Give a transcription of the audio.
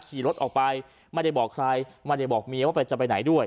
ขี่รถออกไปไม่ได้บอกใครไม่ได้บอกเมียว่าจะไปไหนด้วย